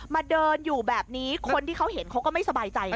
เดินอยู่แบบนี้คนที่เขาเห็นเขาก็ไม่สบายใจ